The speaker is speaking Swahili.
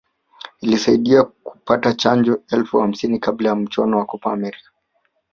ili kusaidia kupata chanjo elfu hamsini kabla ya mchuano wa Copa America